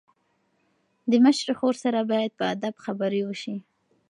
د مشرې خور سره باید په ادب خبرې وشي.